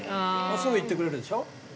すぐ行ってくれるでしょ。